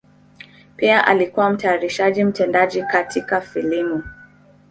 Pia alikuwa mtayarishaji mtendaji katika filamu.